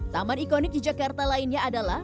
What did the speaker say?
taman ikonik di jakarta lainnya adalah